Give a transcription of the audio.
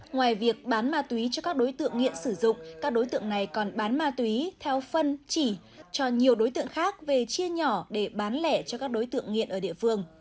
ngoài việc bán ma túy cho các đối tượng nghiện sử dụng các đối tượng này còn bán ma túy theo phân chỉ cho nhiều đối tượng khác về chia nhỏ để bán lẻ cho các đối tượng nghiện ở địa phương